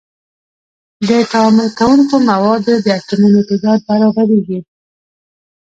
د تعامل کوونکو موادو د اتومونو تعداد برابریږي.